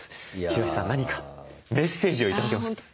ヒロシさん何かメッセージを頂けますか？